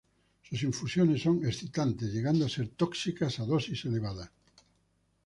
Sus infusiones son excitantes, llegando a ser tóxicas a dosis elevadas.